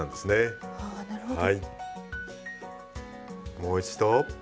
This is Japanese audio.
もう一度。